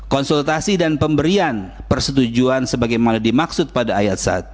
konsultasi dan pemberian persetujuan sebagaimana dimaksud pada ayat satu